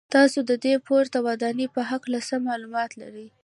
تاسو د دې پورته ودانۍ په هکله څه معلومات لرئ.